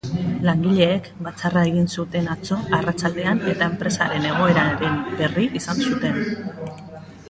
Langileek batzarra egin zuten atzo arratsaldean eta enpresaren egoeraren berri izan zuten.